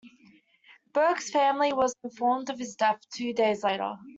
Berg's family was informed of his death two days later.